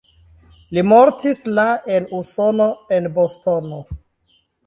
Li mortis la en Usono en Bostono.